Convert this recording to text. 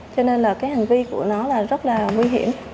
cho nên là cái hành vi của nó là rất là nguy hiểm